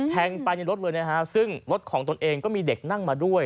แทงไปในรถเลยนะฮะซึ่งรถของตนเองก็มีเด็กนั่งมาด้วย